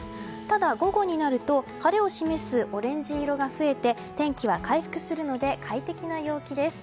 ただ、午後になると晴れを示すオレンジ色が増えて天気は回復するので快適な陽気です。